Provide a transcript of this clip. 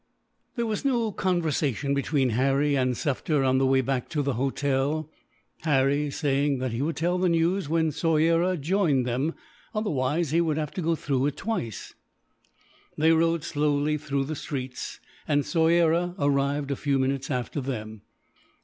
There was no conversation between Harry and Sufder on the way back to the hotel; Harry saying that he would tell the news when Soyera joined them, otherwise he would have to go through it twice. They rode slowly through the streets, and Soyera arrived a few minutes after them.